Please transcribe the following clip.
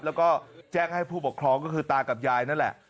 แล้วก็แจ้งให้ผู้ปกครองก็คือตากับยายนั่นแหละ